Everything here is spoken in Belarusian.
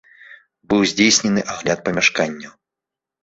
Быў здзейснены агляд памяшканняў.